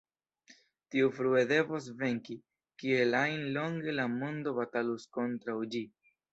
Tiu frue devos venki, kiel ajn longe la mondo batalus kontraŭ ĝi.